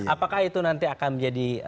apakah itu nanti akan menjadi